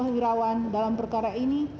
wirawan dalam perkara ini